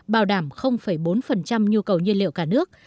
bảo đảm bốn nhu cầu nhiên liệu cả nước